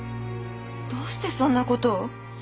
どうしてそんな事を？